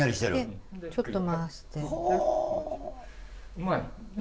うまい！